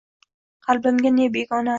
Qalbimga ne begona